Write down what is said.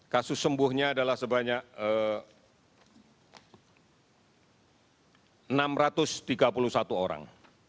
kasus sembuhnya adalah sebanyak enam ratus tiga puluh satu orang